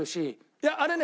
いやあれね